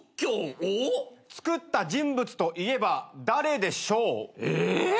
つくった人物といえば誰でしょう？え！？